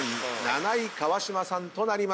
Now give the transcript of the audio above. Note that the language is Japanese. ７位川島さんとなりました。